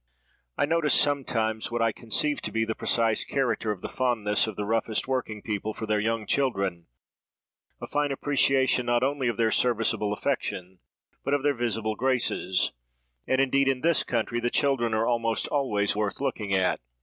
I notice sometimes what I conceive to be the precise character of the fondness of the roughest working people for their young children, a fine appreciation, not only of their serviceable affection, but of their visible graces: and indeed, in this country, the children are almost always worth looking at.